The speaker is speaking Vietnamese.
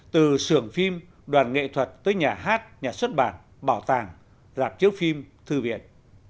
từ sưởng phim đoàn nghệ thuật tới nhà hát nhà xuất bản bảo tàng rạp chiếu phim thư viện